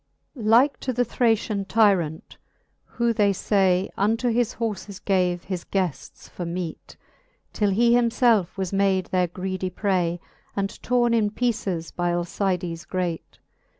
XXXI. Like to the Ihracian tyrant, who, they fay, Unto his horfes gave his gueft for meat, Till he himfelfe was made their greedie pray. And torn in peeces by Alcides great.